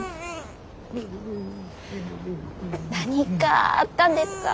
何かあったんですか？